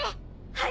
はい！